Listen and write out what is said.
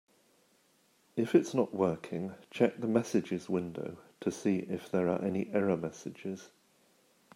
If it's not working, check the messages window to see if there are any error messages.